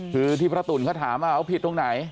คือที่พระตุ๋นเขาถามว่าเอาผิดตรงไหน